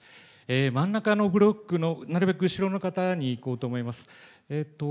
真ん中のブロックのなるべく後ろの方にいこうと思います。